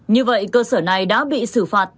như vậy cơ sở này đã bị xử phạt